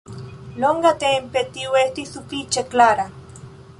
Longatempe tio estis sufiĉe klara.